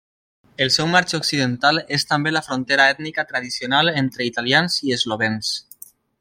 El seu marge occidental és també la frontera ètnica tradicional entre italians i eslovens.